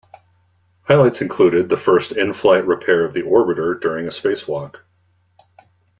Highlights included the first in-flight repair to the orbiter during a spacewalk.